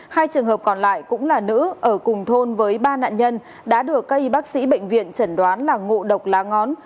hai trường hợp còn lại cũng là nữ ở cùng thôn với ba nạn nhân đã được cây bác sĩ bệnh viện chẩn đoán là ngộ độc lá ngón